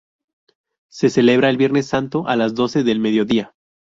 Se celebra el Viernes Santo a las doce del mediodía.